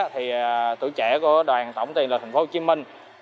thì tuổi trẻ của đoàn tổng tiên lợi thành phố hồ chí minh